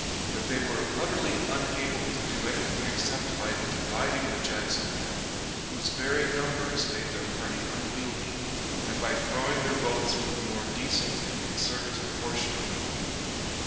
But they were utterly unable to do anything except by dividing the Jackson men, whose very numbers made their party unwieldy, and by throwing their votes with the more decent and conservative portion of them.